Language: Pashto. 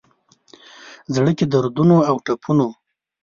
زړه کي دردونو اوټپونو،